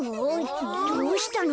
どうしたの？